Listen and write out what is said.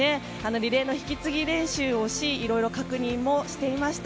リレーの引き継ぎ練習をし色々、確認もしていました。